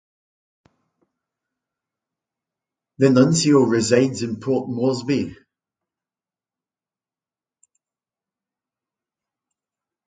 The nuncio resides in Port Moresby.